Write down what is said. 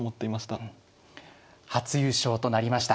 初優勝となりました。